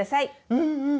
うんうん！